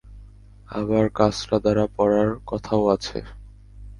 আবার কাসরা দ্বারা পড়ার কথাও আছে।